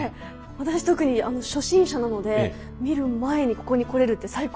私特に初心者なので見る前にココに来れるって最高ですね。